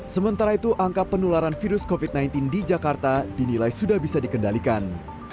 sementara itu angka penularan virus covid sembilan belas di jakarta dinilai sudah bisa dikendalikan